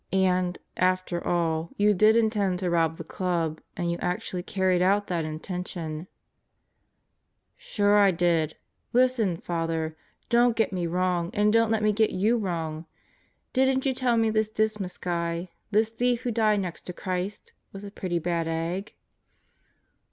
And, after all, you did intend to rob the Club, and you actually carried out that intention " "Sure I did. ... Listen, Father: don't get me wrong, and don't let me get you wrong. Didn't you tell me this Dismas guy, this thief who died next to Christ, was a pretty bad egg?"